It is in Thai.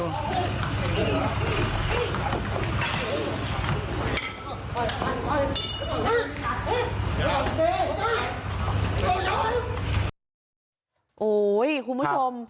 โฮ้ยคุณผู้ชม